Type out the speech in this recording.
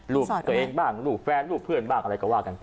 รูปตัวเองบ้างรูปแฟนรูปเพื่อนบ้างอะไรก็ว่ากันไป